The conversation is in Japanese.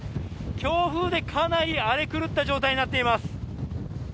強風がかなり荒れ狂った状態になっています。